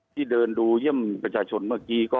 ที่เดินดูเยี่ยมประชาชนเมื่อกี้ก็